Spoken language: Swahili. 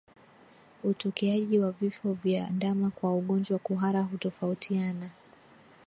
Utokeaji wa vifo vya ndama kwa ugonjwa wa kuhara hutofautiana